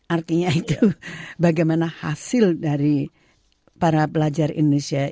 artinya itu bagaimana hasil dari para pelajar indonesia